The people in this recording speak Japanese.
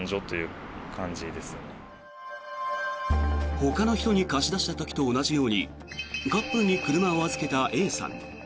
ほかの人に貸し出した時と同じようにカップルに車を預けたＡさん。